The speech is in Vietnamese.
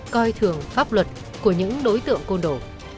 coi thường pháp luật của những đối tượng côn đồ